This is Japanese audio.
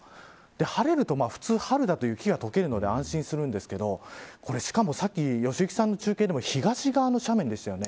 晴れると普通、春だと雪が解けるので安心するんですけどしかも、さっき良幸さんの中継でも東側の斜面でしたね。